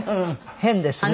変ですね。